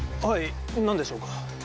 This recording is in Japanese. はい何でしょうか？